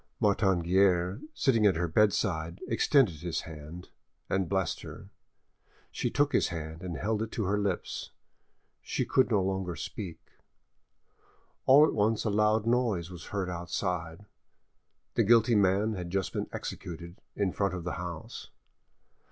Martin Guerre, sitting at her bedside, extended his hand and blessed her. She took his hand and held it to her lips; she could no longer speak. All at once a loud noise was heard outside: the guilty man had just been executed in front of the house.